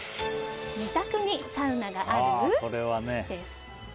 自宅にサウナがある？